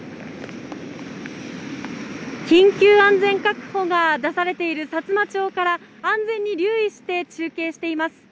緊急安全確保が出されているさつま町から、安全に留意して中継しています。